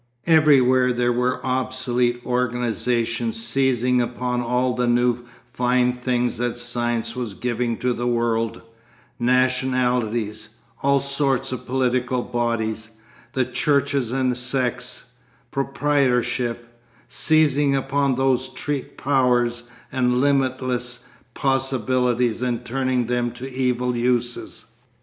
Everywhere there were obsolete organisations seizing upon all the new fine things that science was giving to the world, nationalities, all sorts of political bodies, the churches and sects, proprietorship, seizing upon those treat powers and limitless possibilities and turning them to evil uses.